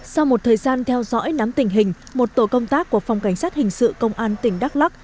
sau một thời gian theo dõi nắm tình hình một tổ công tác của phòng cảnh sát hình sự công an tỉnh đắk lắc